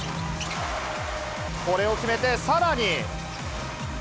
これを決めて、さらに。